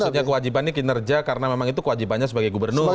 maksudnya kewajiban ini kinerja karena memang itu kewajibannya sebagai gubernur